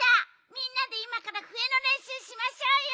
みんなでいまからふえのれんしゅうしましょうよ！